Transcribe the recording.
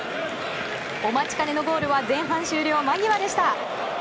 お待ちかねのゴールは前半終了間際でした。